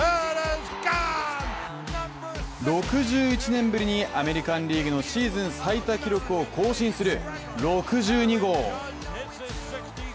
６１年ぶりにアメリカン・リーグのシーズン最多記録を更新する６２号！